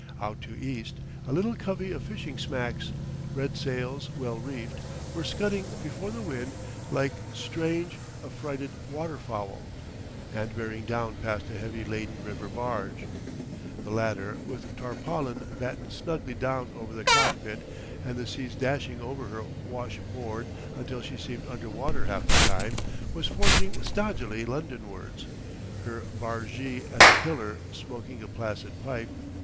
Out to east a little covey of fishing smacks, red sails well reefed, were scudding before the wind like strange affrighted water fowl, and bearing down past a heavy laden river barge. The latter, with tarpaulin battened snugly down over the cockpit and the seas dashing over her wash board until she seemed under water half the time, was forging stodgily Londonwards, her bargee at the tiller smoking a placid pipe.